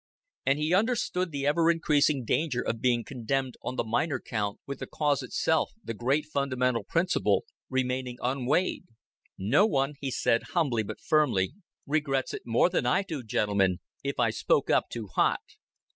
And he understood the ever increasing danger of being condemned on the minor count, with the cause itself, the great fundamental principle, remaining unweighed. "No one," he said, humbly but firmly, "regrets it more than I do, gentlemen, if I spoke up too hot.